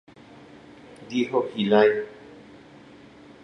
Dijo Healy.